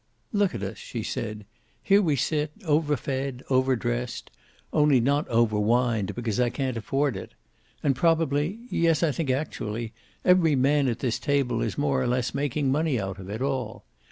"Look at us," she said. "Here we sit, over fed, over dressed. Only not over wined because I can't afford it. And probably yes, I think actually every man at this table is more or less making money out of it all.